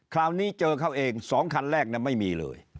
คราวนี้เจอเขาเอง๒คันแรกไม่มีเลย